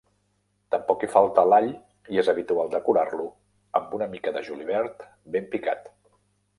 Tampoc hi falta l'all i és habitual decorar-lo amb una mica de julivert ben picat.